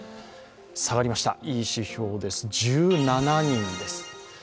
下がりました、いい指標です、１７人です。